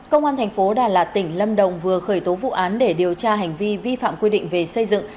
công an thành phố đà lạt tỉnh lâm đồng vừa khởi tố vụ án để điều tra hành vi vi phạm quy định về xây dựng